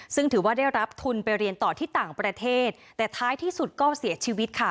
ซึ่งถือว่าได้รับทุนไปเรียนต่อที่ต่างประเทศแต่ท้ายที่สุดก็เสียชีวิตค่ะ